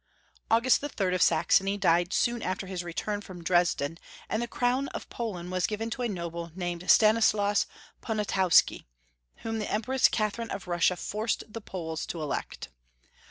August III. of Saxony died soon after his return from Dresden, and the crown of Poland was given to a noble named Stanislas Poniatowsky, whom the Empress Catherine of Russia forced the Poles to 412 Joseph II. 413 elect.